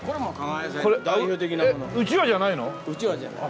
えっうちわじゃないの？